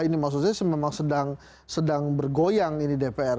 ini maksudnya memang sedang bergoyang ini dpr